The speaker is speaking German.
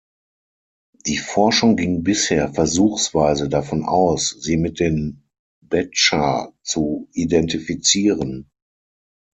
Die Forschung ging bisher versuchsweise davon aus, sie mit den Bedscha zu identifizieren.